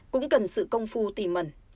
cũng cần sự công phu tìm mần